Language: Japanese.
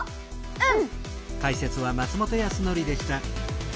うん！